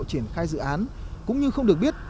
triển khai dự án cũng như không được biết